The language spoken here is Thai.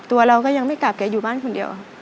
ตัวเราก็ยังไม่กลับแกอยู่บ้านคนเดียว